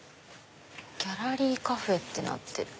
ギャラリーカフェってなってる。